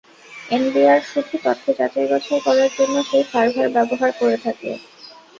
NBR শুধু তথ্য যাচাই-বাছাই করার জন্য সেই সার্ভার ব্যবহার করে থাকে।